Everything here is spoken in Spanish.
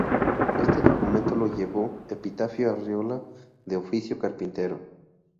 Este documento lo llevó Epitafio Arreola, de oficio carpintero.